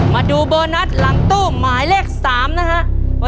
มาดูบอร์นัสหลังตู้หมายเลขสามนะครับ